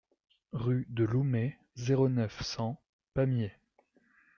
Rue de Loumet, zéro neuf, cent Pamiers